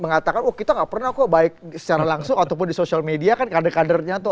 mengatakan oh kita nggak pernah kok baik secara langsung ataupun di sosial media kan kader kadernya tuh